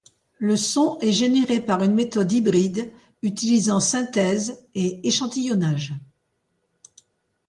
Le son est généré par une méthode hybride utilisant synthèse et échantillonnage.